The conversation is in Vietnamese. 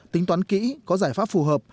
tính toán kỹ có giải pháp phù hợp